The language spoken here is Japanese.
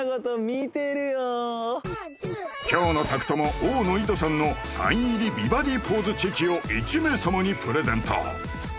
今日の宅トモ大野いとさんのサイン入り美バディポーズチェキを１名様にプレゼント